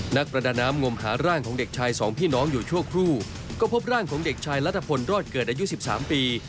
นักประดาน้ำงมหาร่างของเด็กชายสองพี่น้องอยู่ชั่วครู่ก็พบร่างของเด็กชายรัฐพลรอดเกิดอายุสิบสามปี